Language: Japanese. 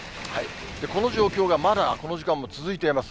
この状況がまだ、この時間も続いています。